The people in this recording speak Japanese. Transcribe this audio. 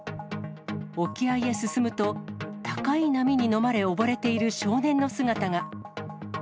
沖合へ進むと、高い波に飲まれ、溺れている少年の姿が。